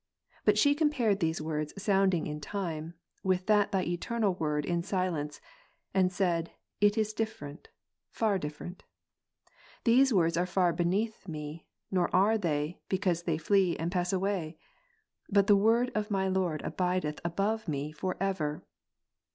But she compared these words sounding in time, with that Thy Eternal Word in silence, and said "It is different, far different. These words are far beneath me, nor are they, because they flee and pass away; but the Word of my Lord abideth above me for ever."